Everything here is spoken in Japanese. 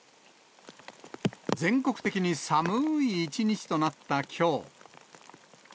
全国的に寒い一日となったきょう。